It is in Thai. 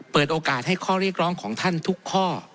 เปิดโอกาสให้ข้อเรียกร้องของท่านทุกข้อ